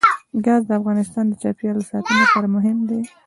ګاز د افغانستان د چاپیریال ساتنې لپاره مهم دي.